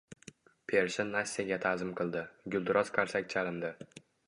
Pershin Nastyaga taʼzim qildi, gulduros qarsak chalindi.